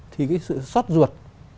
thì cái sự xót ruột